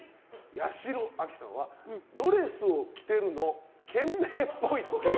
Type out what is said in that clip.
八代亜紀さんはドレスを着てるの賢明っぽい。